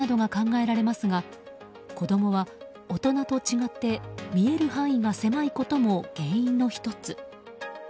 登下校などで単独行動が増えることなどが考えられますが子供は大人と違って見える範囲が狭いことも原因の１つ。